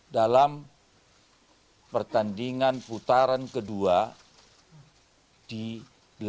dalam pertandingan putaran kedua di delapan belas